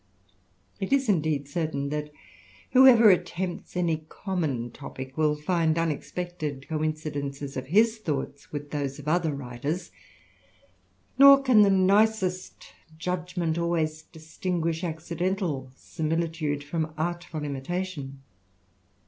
It is indeed certain, that whoever attempts aii.3^ common topick, will find unexpected coincidences of hi^ thoughts with those of other writers ; nor can the nicest judgment always distinguish accidental similitude from art ful imtiation.